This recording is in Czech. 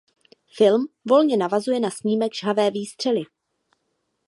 Film volně navazuje na snímek "Žhavé výstřely".